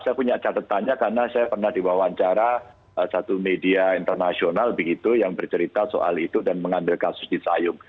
saya punya catatannya karena saya pernah diwawancara satu media internasional begitu yang bercerita soal itu dan mengambil kasus di sayung